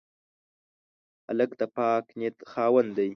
هلک د پاک نیت خاوند دی.